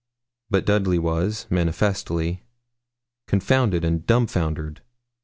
But Dudley was, manifestly, confounded and dumbfoundered.